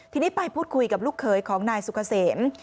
ทีนี้ไปพูดคุยกับลูกเขยของนายสุกเกษม